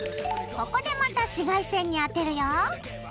ここでまた紫外線に当てるよ。